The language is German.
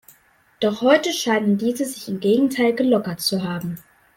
Doch heute scheinen diese sich im Gegenteil gelockert zu haben.